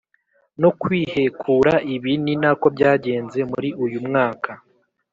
no kwihekura, ibi ni nako byagenze muri uyu mwaka